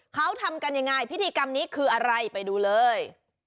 เขาทำกันยังไงพิธีกรรมนี้คืออะไรไปดูเลย